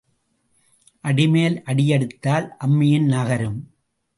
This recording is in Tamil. அடிமேல் அடி அடித்தால் அம்மியும் நகரும்.